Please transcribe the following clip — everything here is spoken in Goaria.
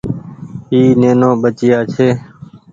اي نينو ٻچييآ ڇي۔